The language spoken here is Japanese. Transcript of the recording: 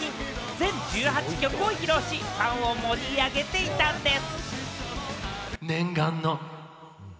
全１８曲を披露し、ファンを盛り上げていたんです。